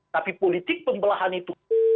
tapi politik pembelahan itu